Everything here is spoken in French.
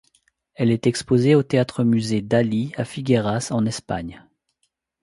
Elle est exposée au Théâtre-musée Dalí à Figueras en Espagne.